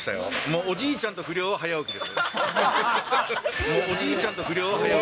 おじいちゃんと不良は早起きです。